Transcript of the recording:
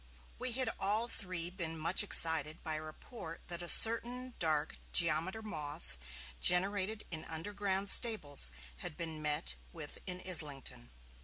We had all three been much excited by a report that a certain dark geometer moth, generated in underground stables, had been met with in Islington.